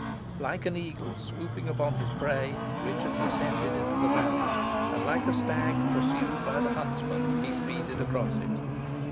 Like an eagle swooping upon his prey, Richard descended into the valley, and like a stag pursued by the huntsman he speeded across it.